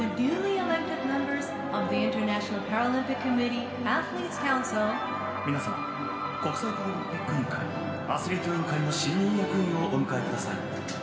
皆様国際パラリンピック委員会アスリート委員会の新任役員をお迎えください。